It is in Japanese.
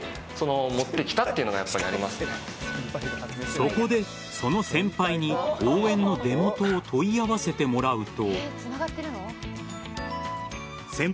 そこで、その先輩に応援の出元を問い合わせてもらうと。